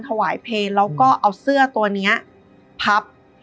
เพลแล้วก็เอาเสื้อตัวนี้พับ